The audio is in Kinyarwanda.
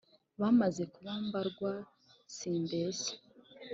Bamaze kuba mbarwa simbeshya